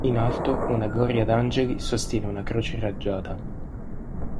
In alto, una gloria d’angeli sostiene una croce raggiata.